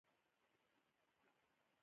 افغانستان د یورانیم له پلوه متنوع دی.